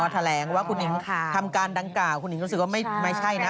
อ๋อแถลงว่าคุณอิงทำการดังกล่าวคุณอิงนึกว่าไม่ใช่นะ